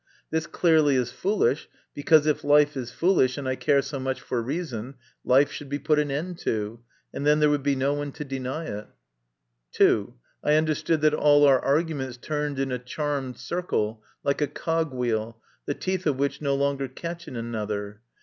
This clearly is foolish, because if life is foolish, and I care so much for reason, life should be put an end to, and then there would be no one to deny it. (2) I understood that all our arguments turned in a charmed circle, like a cogwheel, the teeth of which no longer catch in another.